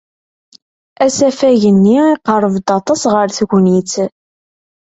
Asafag-nni yeqreb-d aṭas ɣer tegnit.